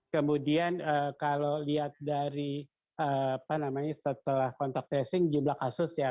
kemudian kalau lihat dari apa namanya setelah kontak tracing jumlah kasus ya